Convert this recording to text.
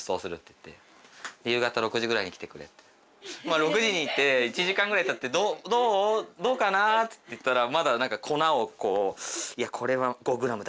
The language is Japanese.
６時に行って１時間ぐらいたって「どう？どうかな？」っつって行ったらまだ何か粉をこう「いやこれは５グラムだ。